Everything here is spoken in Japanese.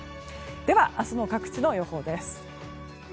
では明日の各地の予報です。